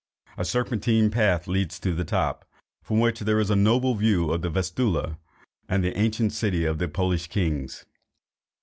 A serpentine path leads to the top, from which there is a noble view of the Vistula, and of the ancient city of the Polish kings.